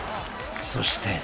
［そして］